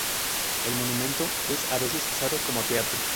El monumento es a veces usado como teatro.